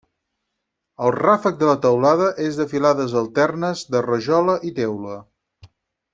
El ràfec de la teulada és de filades alternes de rajola i teula.